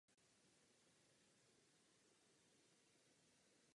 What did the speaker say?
Evropský parlament tehdy nedovolil, aby Komise udělala takový kompromis.